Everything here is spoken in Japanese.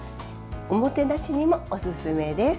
おもてなしにもおすすめです。